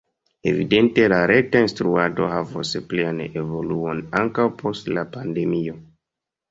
Evidente la reta instruado havos plian evoluon ankaŭ post la pandemio.